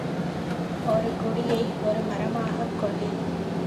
ஒரு குடியை ஒரு மரமாகக் கொள்ளின்